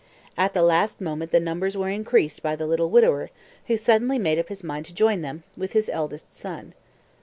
At the last moment the numbers were increased by the little widower, who suddenly made up his mind to join them, with his eldest son.